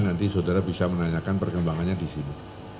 nanti saudara bisa menanyakan perkembangannya di sini